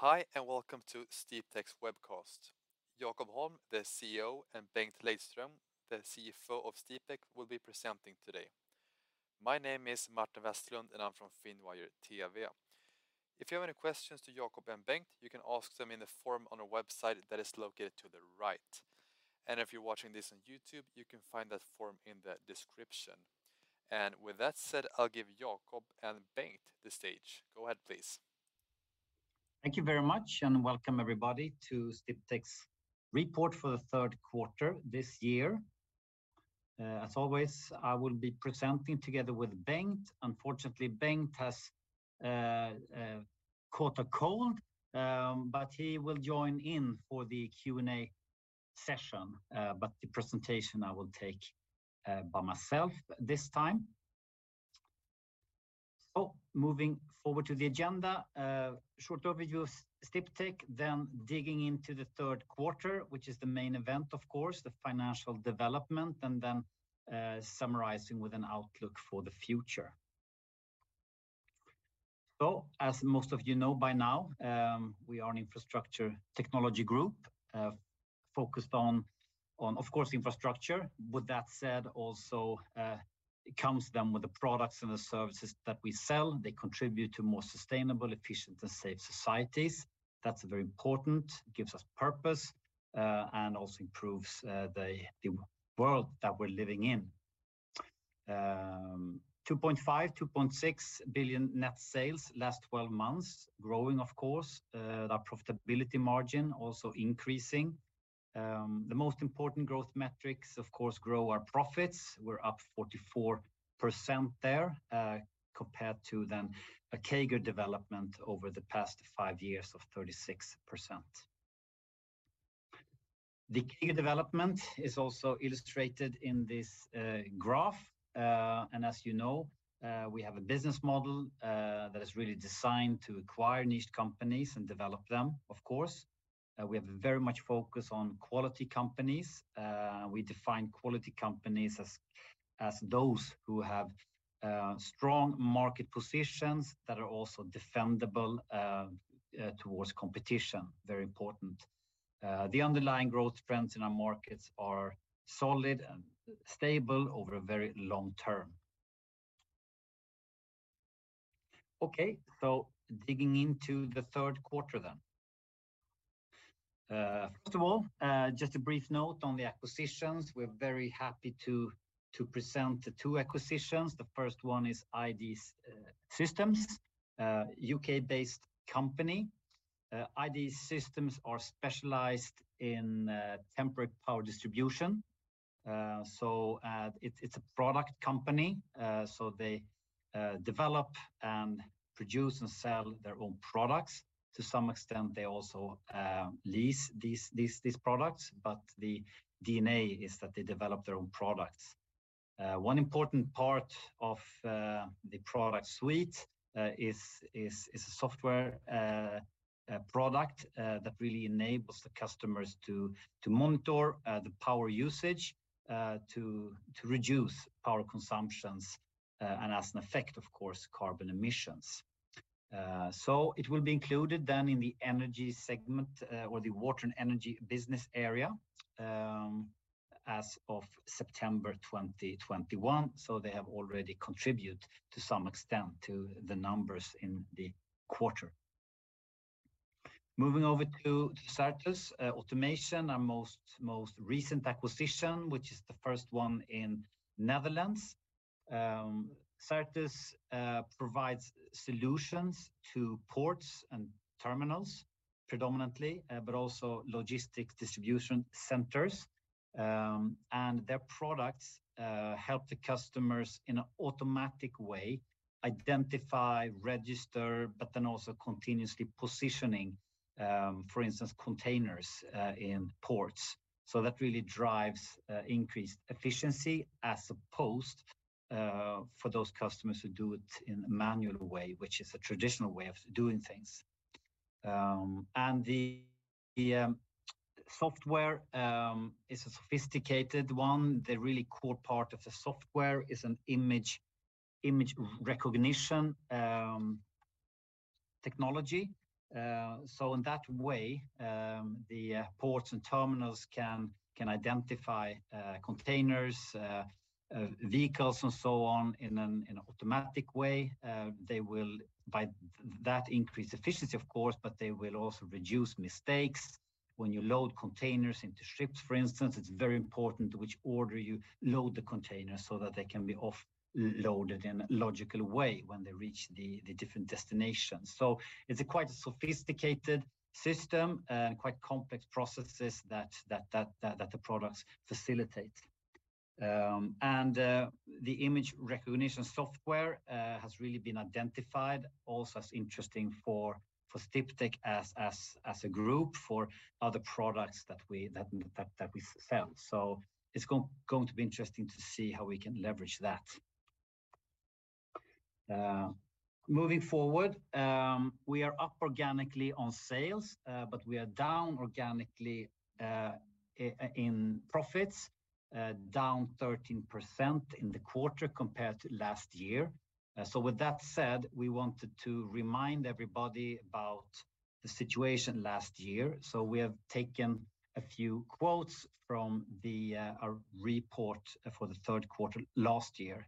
Hi, welcome to Sdiptech's webcast. Jakob Holm, the CEO, and Bengt Lejdström, the CFO of Sdiptech, will be presenting today. My name is Martin Westerlund, and I'm from Finwire TV. If you have any questions to Jakob and Bengt, you can ask them in the form on our website that is located to the right. If you're watching this on YouTube, you can find that form in the description. With that said, I'll give Jakob and Bengt the stage. Go ahead, please. Thank you very much. Welcome everybody to Sdiptech's report for the third quarter this year. As always, I will be presenting together with Bengt. Unfortunately, Bengt has caught a cold, but he will join in for the Q&A session. The presentation I will take by myself this time. Moving forward to the agenda. A short overview of Sdiptech, then digging into the third quarter, which is the main event, of course, the financial development, and then summarizing with an outlook for the future. As most of you know by now, we are an infrastructure technology group focused on, of course, infrastructure. With that said, also it comes then with the products and the services that we sell. They contribute to more sustainable, efficient, and safe societies. That's very important, gives us purpose, and also improves the world that we're living in. 2.5 billion-2.6 billion net sales last 12 months. Growing, of course. Our profitability margin also increasing. The most important growth metrics, of course, grow our profits. We're up 44% there compared to then a CAGR development over the past five years of 36%. The CAGR development is also illustrated in this graph. As you know, we have a business model that is really designed to acquire niche companies and develop them, of course. We have very much focus on quality companies. We define quality companies as those who have strong market positions that are also defendable towards competition, very important. The underlying growth trends in our markets are solid and stable over a very long term. Digging into the third quarter then. First of all, just a brief note on the acquisitions. We're very happy to present the two acquisitions. The first one is IDE Systems, a U.K.-based company. IDE Systems are specialized in temporary power distribution. It's a product company, they develop and produce and sell their own products. To some extent, they also lease these products, but the DNA is that they develop their own products. One important part of the product suite is a software product that really enables the customers to monitor the power usage to reduce power consumptions, and as an effect, of course, carbon emissions. It will be included then in the energy segment, or the Water & Energy business area as of September 2021. They have already contributed to some extent to the numbers in the quarter. Moving over to CERTUS Automation, our most recent acquisition, which is the first one in Netherlands. CERTUS provides solutions to ports and terminals predominantly, but also logistic distribution centers. Their products help the customers in an automatic way identify, register, but then also continuously positioning, for instance, containers in ports. That really drives increased efficiency as opposed for those customers who do it in a manual way, which is a traditional way of doing things. The software is a sophisticated one. The really core part of the software is an image recognition technology. In that way, the ports and terminals can identify containers, vehicles, and so on in an automatic way. They will, by that, increase efficiency, of course, but they will also reduce mistakes. When you load containers into ships, for instance, it's very important which order you load the containers so that they can be off-loaded in a logical way when they reach the different destinations. It's a quite sophisticated system, quite complex processes that the products facilitate. The image recognition software has really been identified also as interesting for Sdiptech as a group for other products that we sell. It's going to be interesting to see how we can leverage that. Moving forward. We are up organically on sales, but we are down organically in profits, down 13% in the quarter compared to last year. With that said, we wanted to remind everybody about the situation last year. We have taken a few quotes from our report for the third quarter last year.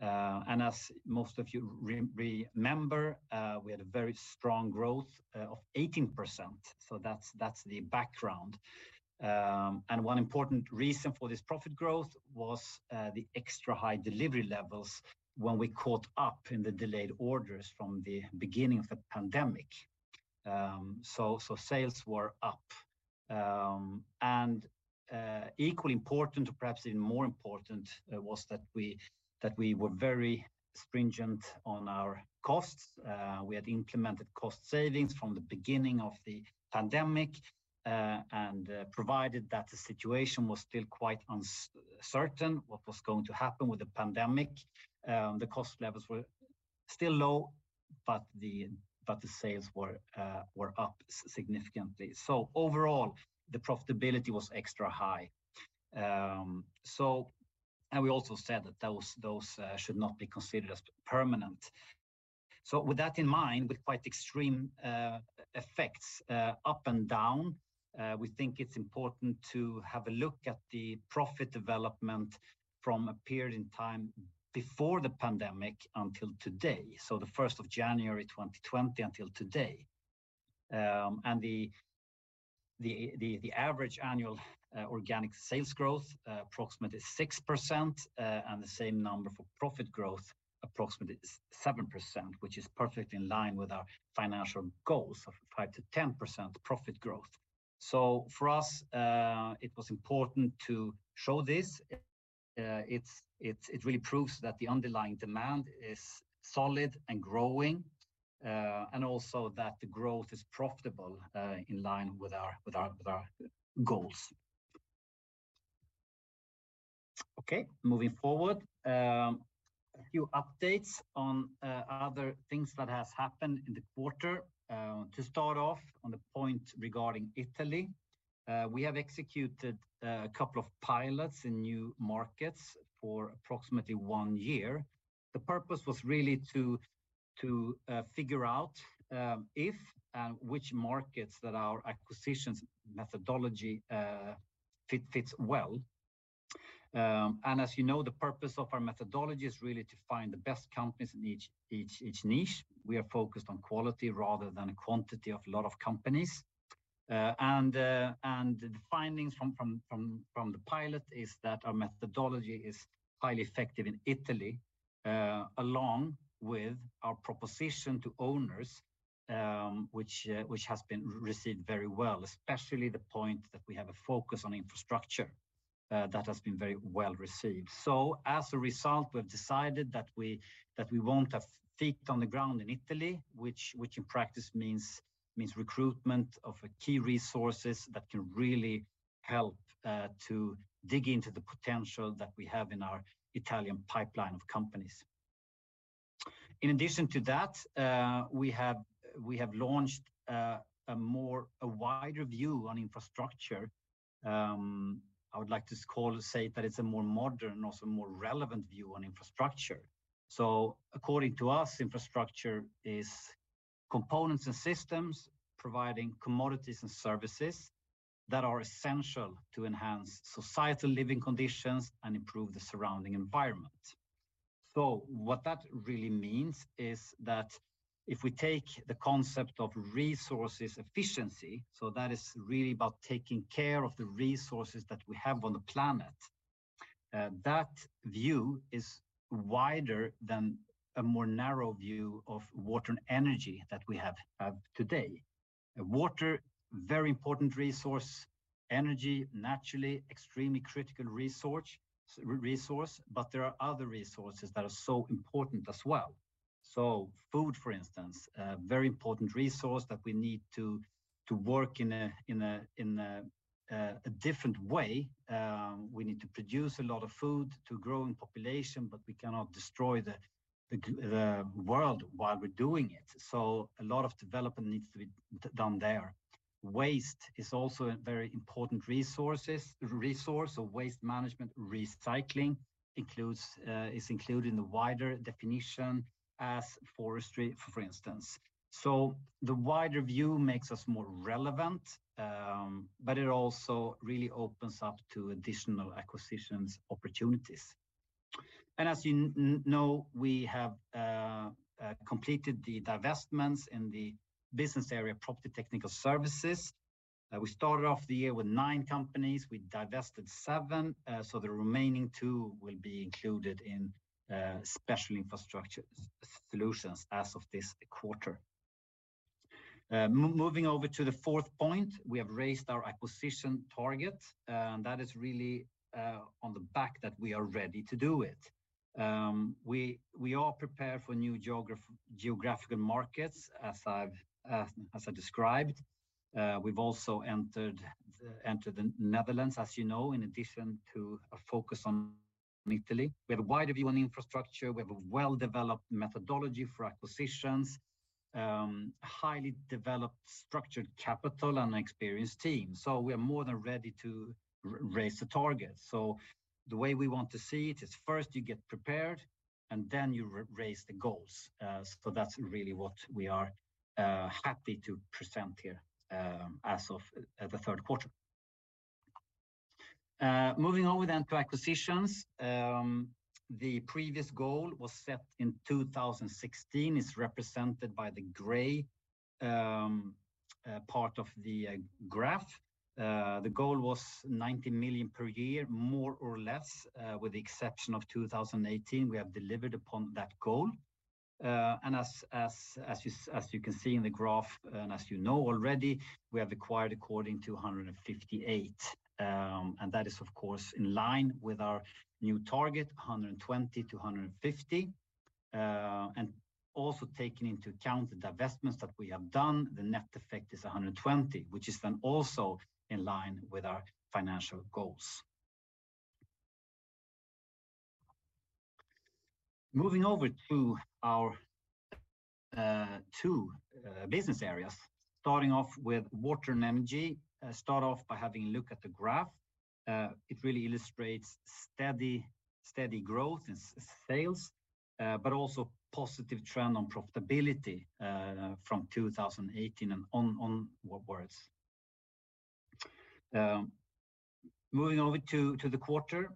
As most of you remember, we had a very strong growth of 18%. That's the background. One important reason for this profit growth was the extra high delivery levels when we caught up in the delayed orders from the beginning of the pandemic. Sales were up. Equally important, or perhaps even more important, was that we were very stringent on our costs. We had implemented cost savings from the beginning of the pandemic, and provided that the situation was still quite uncertain, what was going to happen with the pandemic, the cost levels were still low, but the sales were up significantly. Overall, the profitability was extra high. We also said that those should not be considered as permanent. With that in mind, with quite extreme effects up and down, we think it's important to have a look at the profit development from a period in time before the pandemic until today. The 1st of January 2020 until today. The average annual organic sales growth, approximately 6%, and the same number for profit growth, approximately 7%, which is perfectly in line with our financial goals of 5%-10% profit growth. For us, it was important to show this. It really proves that the underlying demand is solid and growing, and also that the growth is profitable, in line with our goals. Okay, moving forward. A few updates on other things that has happened in the quarter. To start off on the point regarding Italy, we have executed a couple of pilots in new markets for approximately one year. The purpose was really to figure out if and which markets that our acquisitions methodology fits well. As you know, the purpose of our methodology is really to find the best companies in each niche. We are focused on quality rather than quantity of a lot of companies. The findings from the pilot is that our methodology is highly effective in Italy, along with our proposition to owners, which has been received very well, especially the point that we have a focus on infrastructure. That has been very well received. As a result, we've decided that we want a feet on the ground in Italy, which in practice means recruitment of key resources that can really help to dig into the potential that we have in our Italian pipeline of companies. In addition to that, we have launched a wider view on infrastructure. I would like to say that it's a more modern, also more relevant view on infrastructure. According to us, infrastructure is components and systems providing commodities and services that are essential to enhance societal living conditions and improve the surrounding environment. What that really means is that if we take the concept of resources efficiency, so that is really about taking care of the resources that we have on the planet, that view is wider than a more narrow view of water and energy that we have today. Water, very important resource. Energy, naturally extremely critical resource. There are other resources that are so important as well. Food, for instance, a very important resource that we need to work in a different way. We need to produce a lot of food to growing population, but we cannot destroy the world while we're doing it. A lot of development needs to be done there. Waste is also a very important resource. Waste management, recycling is included in the wider definition as forestry, for instance. The wider view makes us more relevant, but it also really opens up to additional acquisitions opportunities. As you know, we have completed the divestments in the business area Property Technical Services. We started off the year with nine companies. We divested seven, so the remaining two will be included in Special Infrastructure Solutions as of this quarter. Moving over to the fourth point, we have raised our acquisition target, and that is really on the back that we are ready to do it. We are prepared for new geographical markets, as I described. We've also entered the Netherlands, as you know, in addition to a focus on Italy. We have a wide view on infrastructure. We have a well-developed methodology for acquisitions, highly developed structured capital, and an experienced team. We are more than ready to raise the target. The way we want to see it is first you get prepared and then you raise the goals. That's really what we are happy to present here as of Q3 2021. Moving on to acquisitions. The previous goal was set in 2016, is represented by the gray part of the graph. The goal was 90 million per year, more or less, with the exception of 2018. We have delivered upon that goal. As you can see in the graph, and as you know already, we have acquired according to SEK 158. That is, of course, in line with our new target, 120-150. Also taking into account the divestments that we have done, the net effect is 120, which is also in line with our financial goals. Moving over to our two business areas, starting off with Water & Energy. Start off by having a look at the graph. It really illustrates steady growth in sales, but also positive trend on profitability from 2018 and onwards. Moving over to the quarter,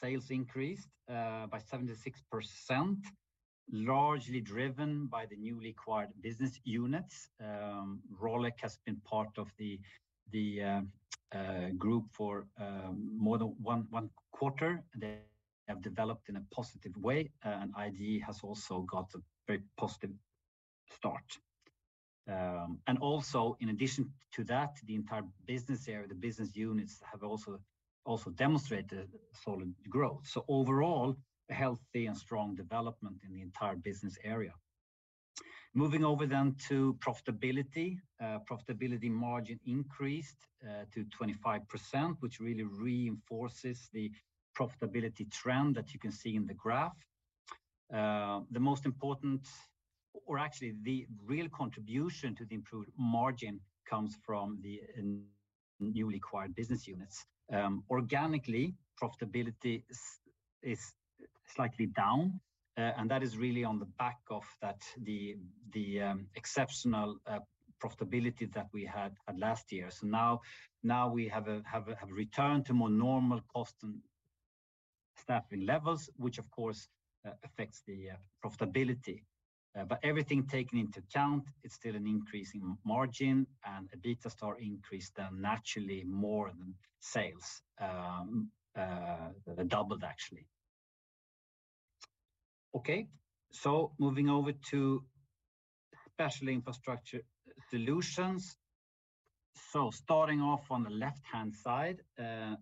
sales increased by 76%, largely driven by the newly acquired business units. Rolec has been part of the group for more than one quarter. They have developed in a positive way. IDE has also got a very positive start. Also in addition to that, the entire business area, the business units have also demonstrated solid growth. Overall, a healthy and strong development in the entire business area. Moving over to profitability. Profitability margin increased to 25%, which really reinforces the profitability trend that you can see in the graph. The most important, or actually the real contribution to the improved margin comes from the newly acquired business units. Organically, profitability is slightly down. That is really on the back of the exceptional profitability that we had last year. Now we have returned to more normal cost and staffing levels, which of course, affects the profitability. Everything taken into account, it's still an increasing margin. EBITDA increased naturally more than sales. They doubled, actually. Okay, moving over to Special Infrastructure Solutions. Starting off on the left-hand side,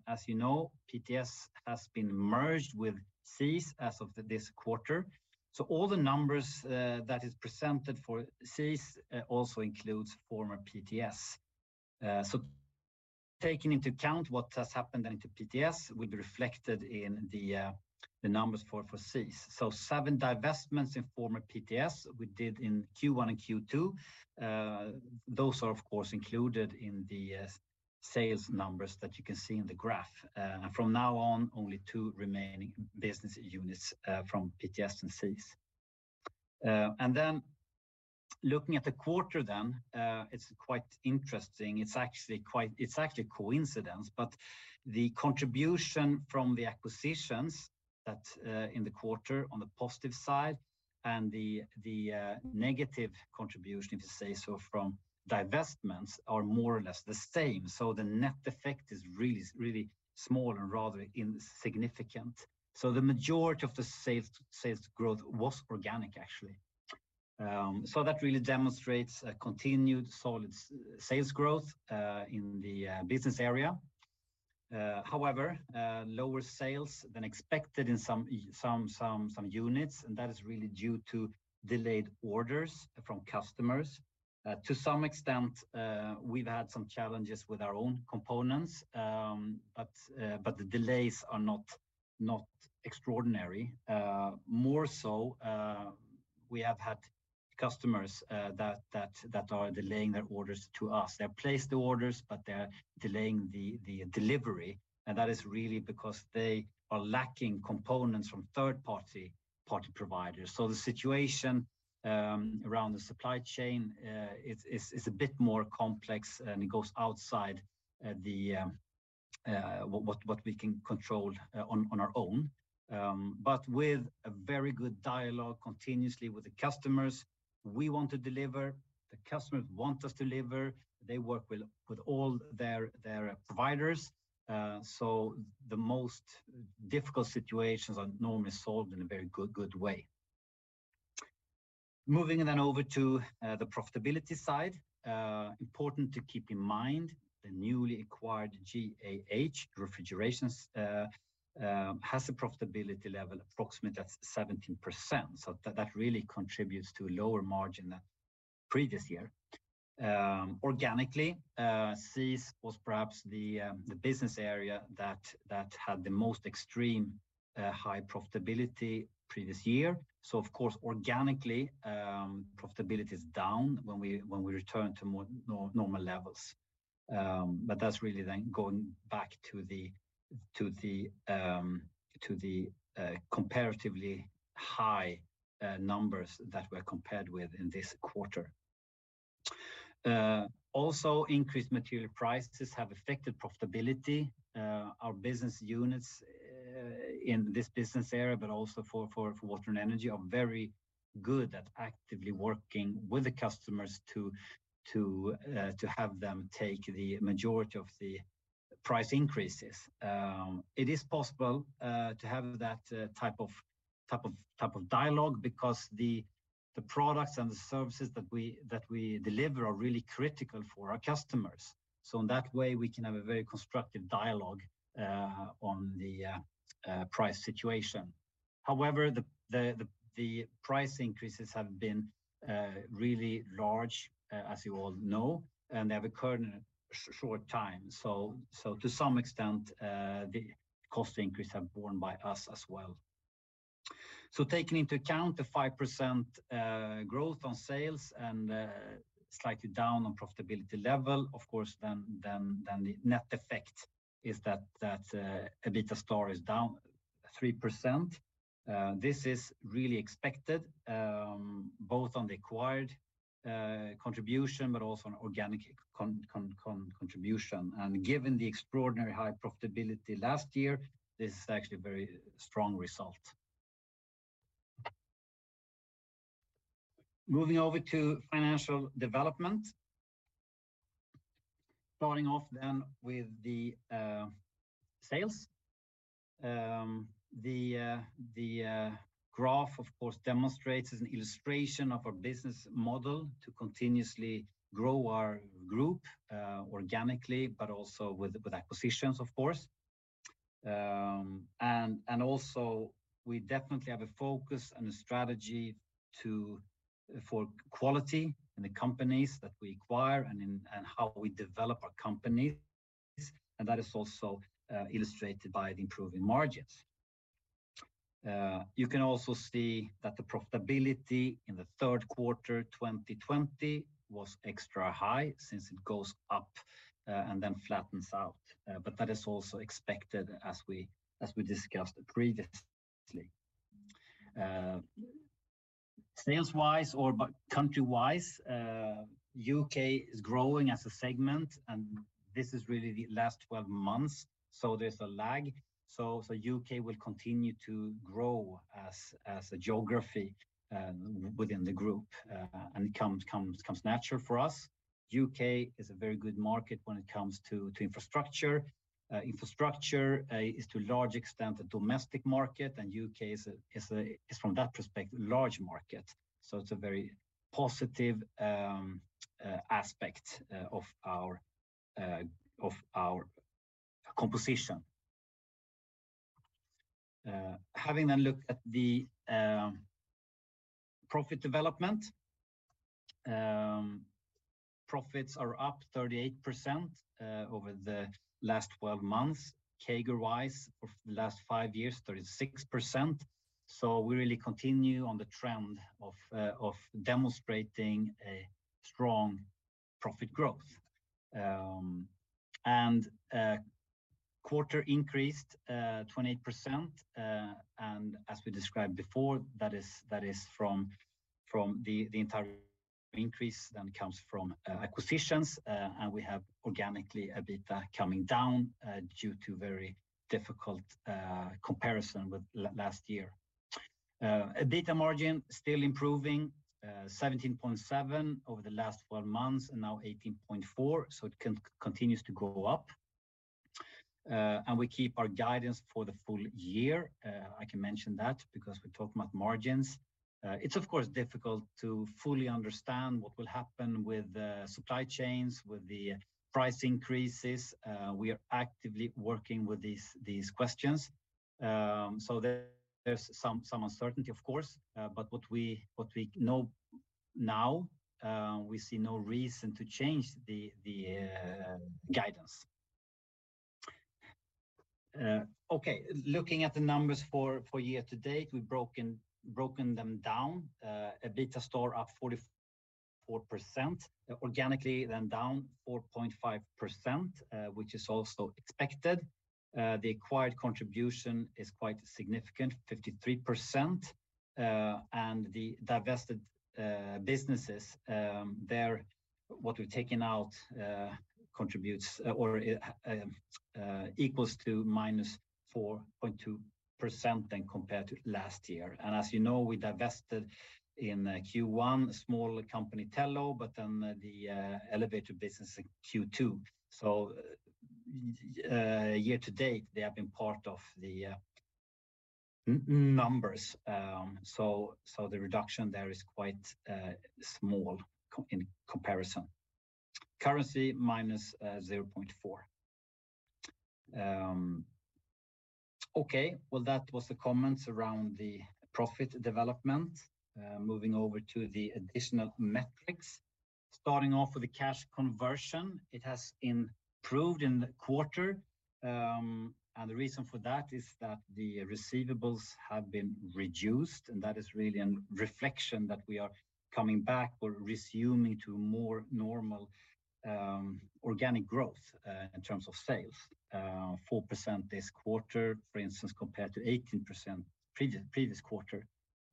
as you know, PTS has been merged with SIS as of this quarter. All the numbers that is presented for SIS also includes former PTS. Taking into account what has happened then to PTS will be reflected in the numbers for SIS. Seven divestments in former PTS we did in Q1 and Q2. Those are, of course, included in the sales numbers that you can see in the graph. From now on, only two remaining business units from PTS and SIS. Looking at the quarter then, it's quite interesting. It's actually a coincidence, but the contribution from the acquisitions in the quarter on the positive side and the negative contribution, if you say so, from divestments are more or less the same. The net effect is really small and rather insignificant. The majority of the sales growth was organic, actually. That really demonstrates a continued solid sales growth in the business area. However, lower sales than expected in some units, and that is really due to delayed orders from customers. To some extent, we've had some challenges with our own components, but the delays are not extraordinary. We have had customers that are delaying their orders to us. They have placed the orders, they're delaying the delivery, that is really because they are lacking components from third-party providers. The situation around the supply chain is a bit more complex, it goes outside what we can control on our own. With a very good dialogue continuously with the customers, we want to deliver, the customers want us to deliver, they work with all their providers. The most difficult situations are normally solved in a very good way. Moving over to the profitability side. Important to keep in mind, the newly acquired GAH Refrigeration has a profitability level approximately at 17%, that really contributes to a lower margin than previous year. Organically, SIS was perhaps the business area that had the most extreme high profitability previous year. Of course, organically, profitability is down when we return to more normal levels. That's really going back to the comparatively high numbers that were compared with in this quarter. Also, increased material prices have affected profitability. Our business units in this business area, but also for Water & Energy, are very good at actively working with the customers to have them take the majority of the price increases. It is possible to have that type of dialogue because the products and the services that we deliver are really critical for our customers. In that way, we can have a very constructive dialogue on the price situation. However, the price increases have been really large, as you all know, and they have occurred in a short time. To some extent, the cost increase are borne by us as well. Taking into account the 5% growth on sales and slightly down on profitability level, of course then the net effect is that EBITDA is down 3%. This is really expected, both on the acquired contribution, but also on organic contribution. Given the extraordinary high profitability last year, this is actually a very strong result. Moving over to financial development. Starting off then with the sales. The graph, of course, demonstrates an illustration of our business model to continuously grow our group organically, but also with acquisitions, of course. Also we definitely have a focus and a strategy for quality in the companies that we acquire and in how we develop our companies, and that is also illustrated by the improving margins. You can also see that the profitability in the third quarter 2020 was extra high since it goes up and then flattens out. That is also expected as we discussed previously. Sales-wise or by country-wise, U.K. is growing as a segment, and this is really the last 12 months, so there's a lag. U.K. will continue to grow as a geography within the group and it comes natural for us. U.K. is a very good market when it comes to infrastructure. Infrastructure is to a large extent a domestic market, and U.K. is, from that perspective, a large market. It's a very positive aspect of our composition. Having then looked at the profit development, profits are up 38% over the last 12 months, CAGR-wise for the last five years, 36%. We really continue on the trend of demonstrating a strong profit growth. Quarter increased 28%, and as we described before, that is from the entire increase then comes from acquisitions, and we have organically EBITDA coming down due to very difficult comparison with last year. EBITDA margin still improving, 17.7% over the last 12 months and now 18.4%, so it continues to go up. We keep our guidance for the full year. I can mention that because we're talking about margins. It's of course difficult to fully understand what will happen with the supply chains, with the price increases. We are actively working with these questions. There's some uncertainty of course, but what we know now, we see no reason to change the guidance. Looking at the numbers for year to date, we've broken them down. EBITDA, total up 44%, organically then down 4.5%, which is also expected. The acquired contribution is quite significant, 53%. The divested businesses there, what we've taken out contributes or equals to -4.2% compared to last year. As you know, we divested in Q1, a small company, Tello, the elevator business in Q2. Year to date, they have been part of the numbers. The reduction there is quite small in comparison. Currency -0.4%. Okay. Well, that was the comments around the profit development. Moving over to the additional metrics. Starting off with the cash conversion, it has improved in the quarter. The reason for that is that the receivables have been reduced, and that is really a reflection that we are coming back or resuming to more normal organic growth in terms of sales. 4% this quarter, for instance, compared to 18% previous quarter.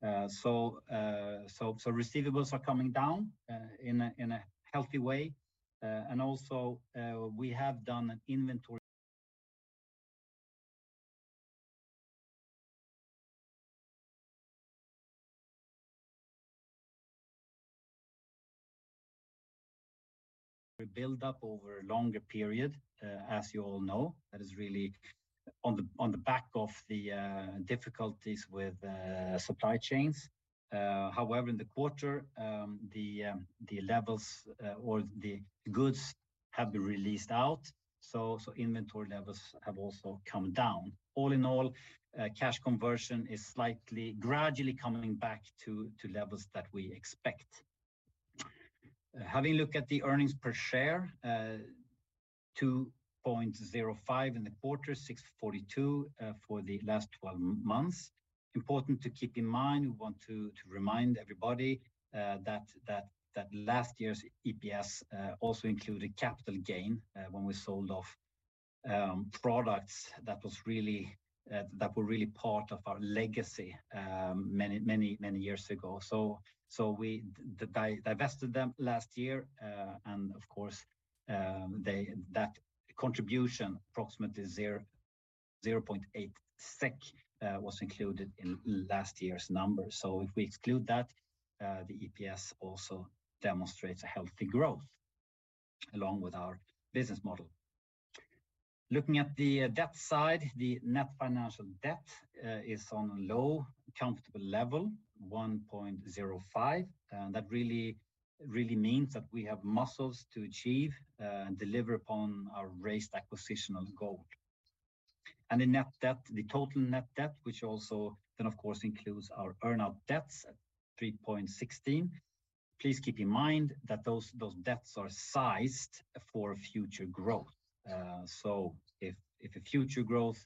Receivables are coming down in a healthy way. Also we have done an inventory build-up over a longer period. As you all know, that is really on the back of the difficulties with supply chains. However, in the quarter, the levels or the goods have been released out, so inventory levels have also come down. All in all, cash conversion is gradually coming back to levels that we expect. Having a look at the earnings per share, 2.05 in the quarter, 6.42 for the last 12 months. Important to keep in mind, we want to remind everybody that last year's EPS also included capital gain when we sold off products that were really part of our legacy many years ago. We divested them last year. Of course, that contribution, approximately 0.8 SEK, was included in last year's numbers. If we exclude that, the EPS also demonstrates a healthy growth along with our business model. Looking at the debt side, the net financial debt is on a low, comfortable level, 1.05. That really means that we have muscles to achieve and deliver upon our raised acquisitional goal. The total net debt, which also then of course includes our earnout debts at 3.16. Please keep in mind that those debts are sized for future growth. If a future growth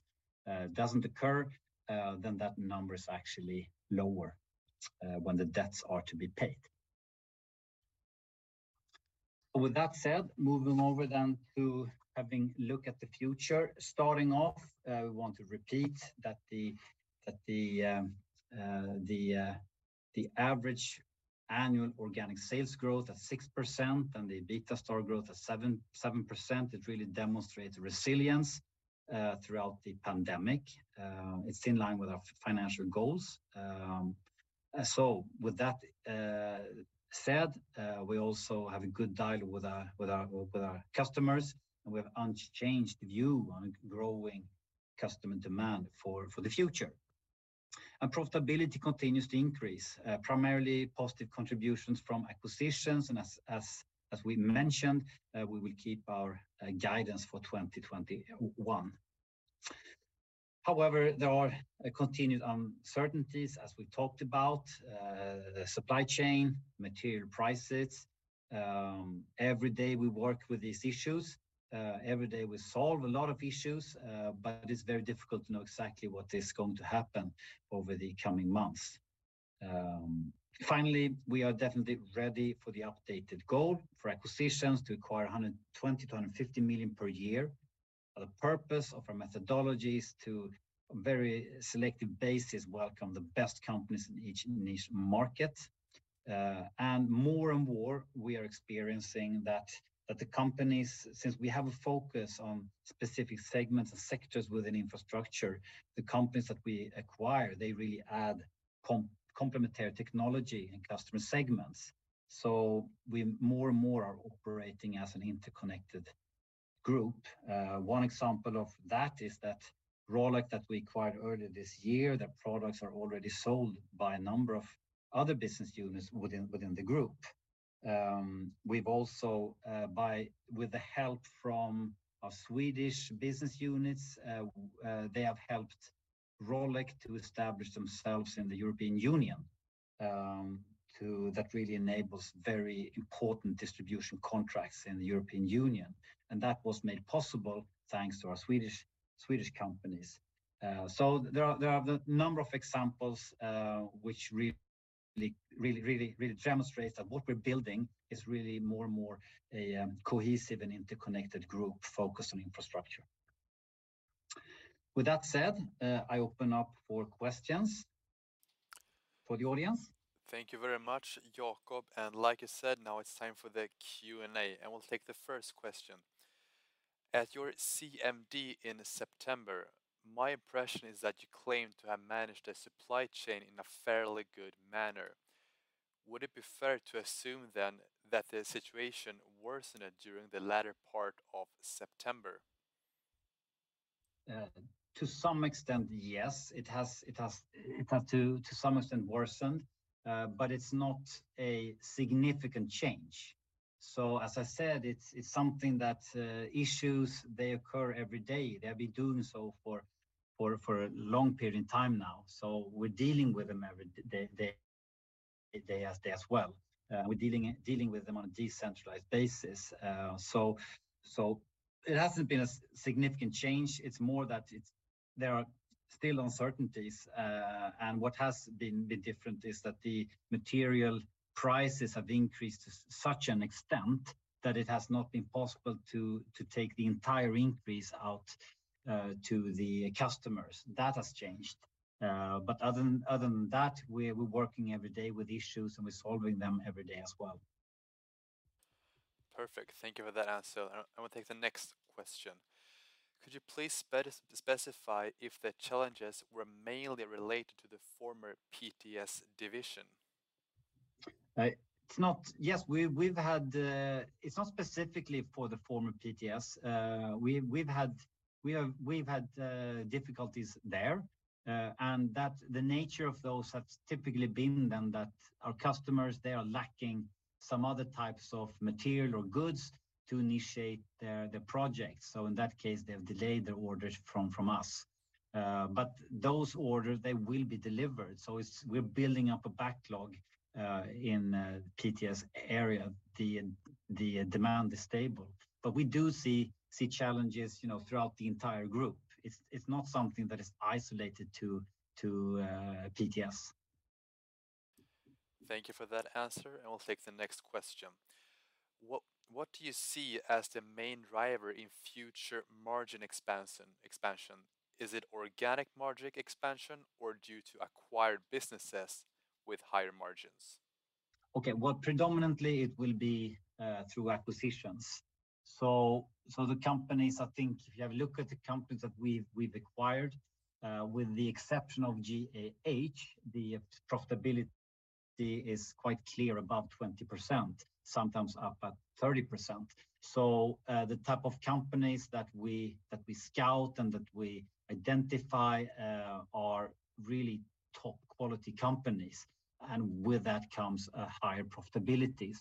doesn't occur, that number is actually lower when the debts are to be paid. Moving over to having a look at the future. Starting off, we want to repeat that the average annual organic sales growth at 6% and the EBITA growth at 7%, it really demonstrates resilience throughout the pandemic. It's in line with our financial goals. With that said, we also have a good dialogue with our customers, and we have unchanged view on growing customer demand for the future. Profitability continues to increase, primarily positive contributions from acquisitions. As we mentioned, we will keep our guidance for 2021. However, there are continued uncertainties as we talked about, supply chain, material prices. Every day we work with these issues, every day we solve a lot of issues, but it's very difficult to know exactly what is going to happen over the coming months. Finally, we are definitely ready for the updated goal for acquisitions to acquire 120 million-150 million per year. The purpose of our methodology is to, on a very selective basis, welcome the best companies in each niche market. More and more we are experiencing that the companies, since we have a focus on specific segments and sectors within infrastructure, the companies that we acquire, they really add complementary technology and customer segments. We more and more are operating as an interconnected group. One example of that is that Rolec that we acquired earlier this year, their products are already sold by a number of other business units within the group. We've also, with the help from our Swedish business units, they have helped Rolec to establish themselves in the European Union. That really enables very important distribution contracts in the European Union, and that was made possible thanks to our Swedish companies. There are a number of examples which really demonstrate that what we're building is really more and more a cohesive and interconnected group focused on infrastructure. With that said, I open up for questions for the audience. Thank you very much, Jakob. Like you said, now it's time for the Q&A. We'll take the first question. At your CMD in September, my impression is that you claimed to have managed the supply chain in a fairly good manner. Would it be fair to assume then that the situation worsened during the latter part of September? To some extent, yes. It has to some extent worsened, but it's not a significant change. As I said, it's something that issues occur every day. They've been doing so for a long period of time now. We're dealing with them every day as well. We're dealing with them on a decentralized basis. It hasn't been a significant change, it's more that there are still uncertainties. What has been different is that the material prices have increased to such an extent that it has not been possible to take the entire increase out to the customers. That has changed. Other than that, we're working every day with issues, and we're solving them every day as well. Perfect. Thank you for that answer. I will take the next question. Could you please specify if the challenges were mainly related to the former PTS division? Yes. It's not specifically for the former PTS. We've had difficulties there, and the nature of those has typically been that our customers are lacking some other types of material or goods to initiate their projects. In that case, they've delayed their orders from us. Those orders will be delivered. We're building up a backlog in the PTS area. The demand is stable. We do see challenges throughout the entire group. It's not something that is isolated to PTS. Thank you for that answer, and we'll take the next question. What do you see as the main driver in future margin expansion? Is it organic margin expansion or due to acquired businesses with higher margins? Okay. Predominantly it will be through acquisitions. If you have a look at the companies that we've acquired, with the exception of GAH, the profitability is quite clear, above 20%, sometimes up at 30%. The type of companies that we scout and that we identify are really top-quality companies, and with that comes a higher profitability.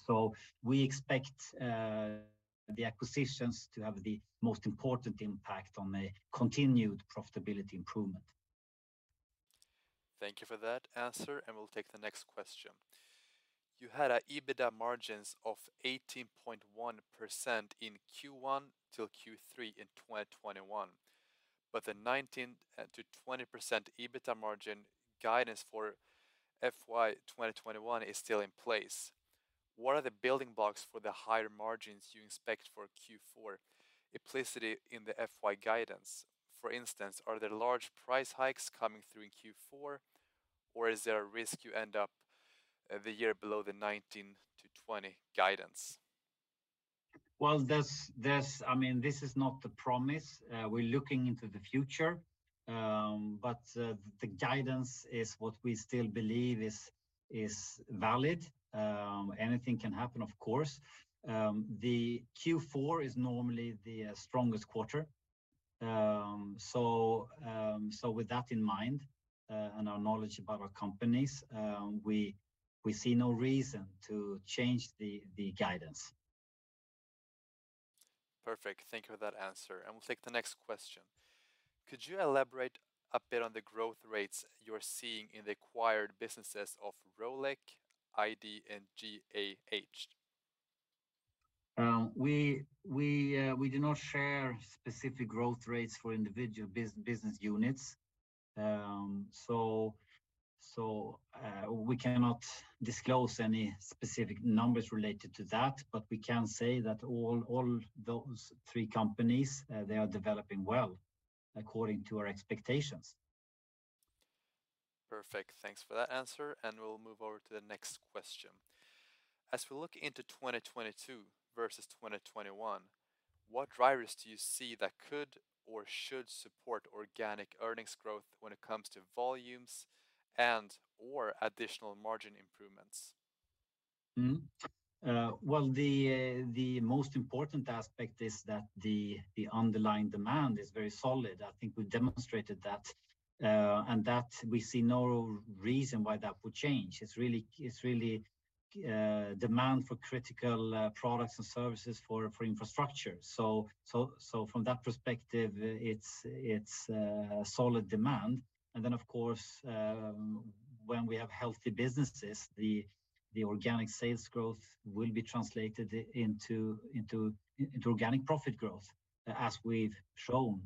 We expect the acquisitions to have the most important impact on the continued profitability improvement. Thank you for that answer. We'll take the next question. You had EBITDA margins of 18.1% in Q1-Q3 2021, but the 19%-20% EBITDA margin guidance for FY 2021 is still in place. What are the building blocks for the higher margins you expect for Q4 implicitly in the FY guidance? For instance, are there large price hikes coming through in Q4, or is there a risk you end up the year below the 19%-20% guidance? This is not a promise. We're looking into the future, but the guidance is what we still believe is valid. Anything can happen, of course. Q4 is normally the strongest quarter. With that in mind and our knowledge about our companies, we see no reason to change the guidance. Perfect. Thank you for that answer, and we'll take the next question. Could you elaborate a bit on the growth rates you're seeing in the acquired businesses of Rolec, IDE, and GAH? We do not share specific growth rates for individual business units. We cannot disclose any specific numbers related to that, but we can say that all those three companies are developing well according to our expectations. Perfect. Thanks for that answer, and we'll move over to the next question. As we look into 2022 versus 2021, what drivers do you see that could or should support organic earnings growth when it comes to volumes and/or additional margin improvements? The most important aspect is that the underlying demand is very solid. I think we demonstrated that, and we see no reason why that would change. It's really demand for critical products and services for infrastructure. From that perspective, it's a solid demand. Of course, when we have healthy businesses, the organic sales growth will be translated into organic profit growth, as we've shown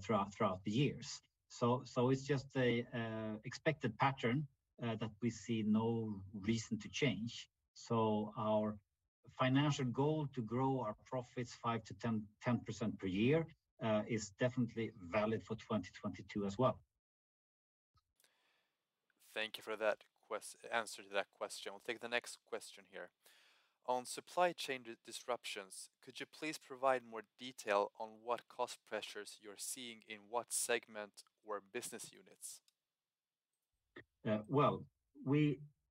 throughout the years. It's just an expected pattern that we see no reason to change. Our financial goal to grow our profits 5%-10% per year is definitely valid for 2022 as well. Thank you for that answer to that question. We'll take the next question here. On supply chain disruptions, could you please provide more detail on what cost pressures you're seeing in what segment or business units?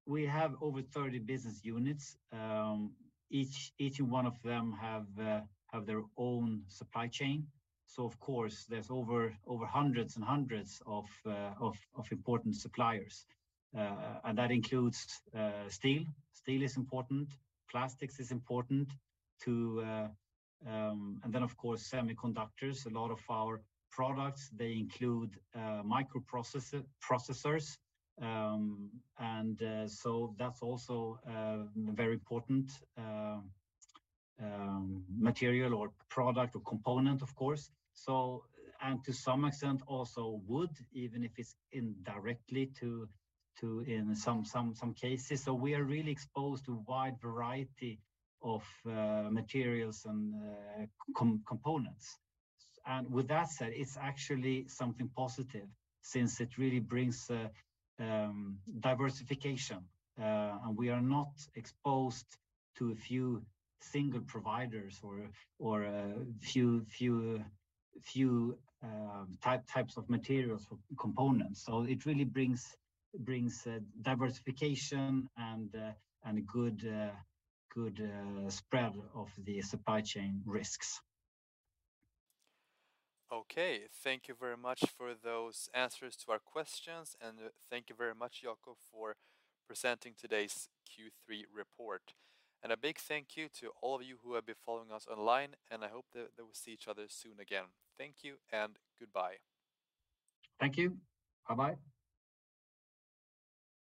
We have over 30 business units. Each one of them have their own supply chain, so of course, there are over hundreds and hundreds of important suppliers. That includes steel. Steel is important. Plastics is important too, and then, of course, semiconductors. A lot of our products include microprocessors. That's also a very important material or product or component, of course. To some extent also wood, even if it's indirectly in some cases. We are really exposed to a wide variety of materials and components. With that said, it's actually something positive since it really brings diversification, and we are not exposed to a few single providers or a few types of materials or components. It really brings diversification and a good spread of the supply chain risks. Okay. Thank you very much for those answers to our questions, and thank you very much, Jakob, for presenting today's Q3 report. A big thank you to all of you who have been following us online, and I hope that we see each other soon again. Thank you and goodbye. Thank you. Bye-bye.